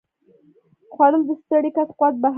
خوړل د ستړي کس قوت بحالوي